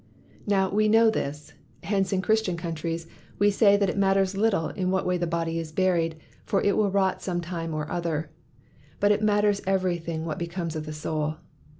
Now we know this, hence in Christian coun tries we say that it matters little in what way the body is buried, for it will rot some time or other; but it matters everything what becomes of the soul.